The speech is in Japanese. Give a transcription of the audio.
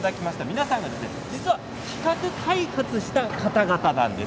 皆さん実は、企画開発した方々なんです。